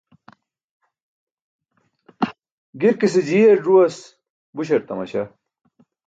Girkise jiyar ẓuwas buśar tamaśa.